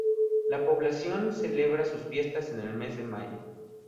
La población celebra sus fiestas en el mes de mayo.